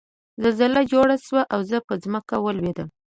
زلزله جوړه شوه او زه په ځمکه ولوېدم